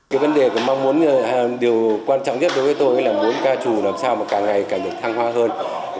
cái vấn đề còn mong muốn điều quan trọng nhất đối với tôi là muốn ca trù làm sao mà càng ngày càng được thăng hoa hơn